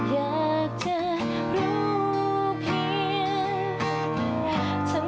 อยากจะรู้เพียง